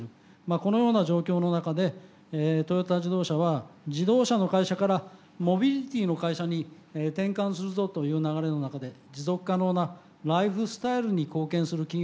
このような状況の中でトヨタ自動車は自動車の会社からモビリティの会社に転換するぞという流れの中で持続可能なライフスタイルに貢献する企業を目指す。